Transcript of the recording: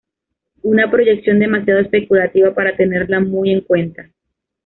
Una proyección demasiado especulativa para tenerla muy en cuenta.